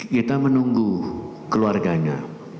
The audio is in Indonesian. kita menunggu keluarganya